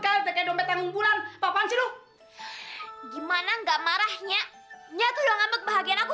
kayak dompet tenggung bulan apaan sih lo gimana enggak marahnya nyatulah ngambil kebahagiaan aku